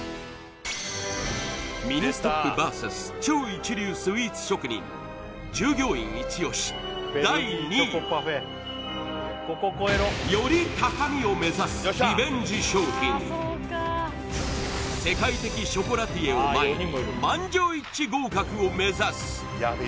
ミニストップＶＳ超一流スイーツ職人従業員イチ押し第２位は世界的ショコラティエを前に満場一致合格を目指す！